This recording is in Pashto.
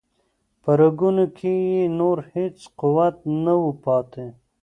په رګونو کې یې نور هیڅ قوت نه و پاتې.